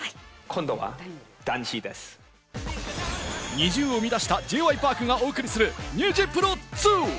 ＮｉｚｉＵを生み出したＪ．Ｙ．Ｐａｒｋがお送りするニジプロ２。